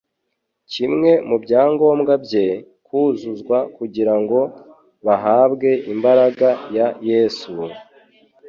Kimwe mu byangombwa bye, kuzuzwa kugira ngo bahabwe imbaraga ya Yesu,